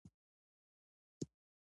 قاضي د کورني صلحې لارې پیدا کوي.